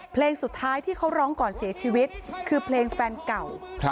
เพลงสุดท้ายที่เขาร้องก่อนเสียชีวิตคือเพลงแฟนเก่า